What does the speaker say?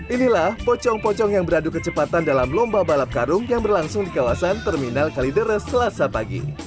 inilah pocong pocong yang beradu kecepatan dalam lomba balap karung yang berlangsung di kawasan terminal kalideres selasa pagi